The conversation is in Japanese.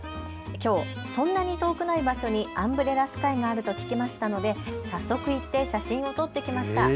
きょうそんなに遠くない場所にアンブレラスカイがあると聞きましたので早速行って写真を撮ってきました。